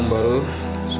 maka penuh masalah